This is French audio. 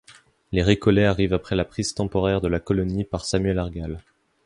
Les récollets arrivent après la prise temporaire de la colonie par Samuel Argall.